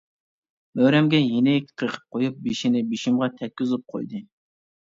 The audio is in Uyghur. مۈرەمگە يېنىك قېقىپ قويۇپ، بېشىنى بېشىمغا تەگكۈزۈپ قويدى.